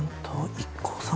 ＩＫＫＯさん